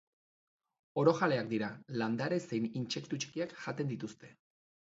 Orojaleak dira, landare zein intsektu txikiak jaten dituzte.